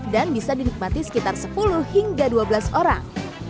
dan bisa dinikmati sekitar sepuluh hingga dua belas orang